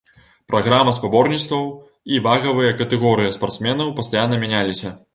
Праграма спаборніцтваў і вагавыя катэгорыі спартсменаў пастаянна мяняліся.